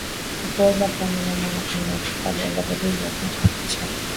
Kupooza kwa mnyama na kudondokadondoka ni dalili za ugonjwa wa kichaa